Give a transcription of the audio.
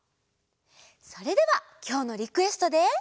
それではきょうのリクエストで。